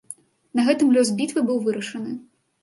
На гэтым лёс бітвы быў вырашаны.